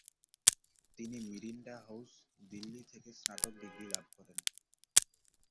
তিনি Miranda House, Delhi থেকে স্নাতক ডিগ্রি লাভ করেন।